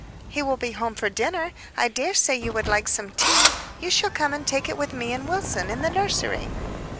"He will be home to dinner. I dare say you would like some tea; you shall come and take it with me and Wilson, in the nursery."